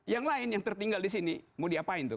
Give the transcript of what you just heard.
yang lain yang tertinggal di sini mau diapain tuh